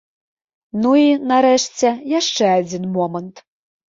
Ну і, нарэшце, яшчэ адзін момант.